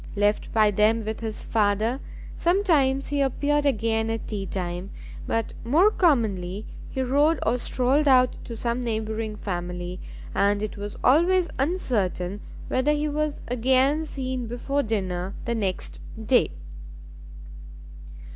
Left by them with his father, sometimes he appeared again at tea time, but more commonly he rode or strolled out to some neighbouring family, and it was always uncertain whether he was again seen before dinner the next day.